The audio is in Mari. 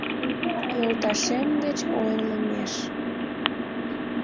Йолташем деч ойырлымеш